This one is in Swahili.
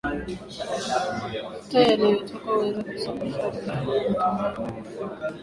Mafuta yanayotoka huweza kusababisha uharibifu wa matumbawe na vifo